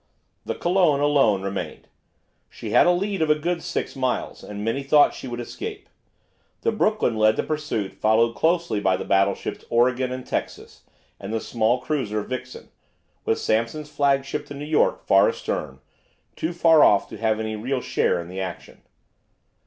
The "Colon" alone remained. She had a lead of a good six miles, and many thought she would escape. The "Brooklyn" led the pursuit, followed closely by the battleships "Oregon" and "Texas," and the small cruiser "Vixen," with Sampson's flagship, the "New York," far astern, too far off to have any real share in the action.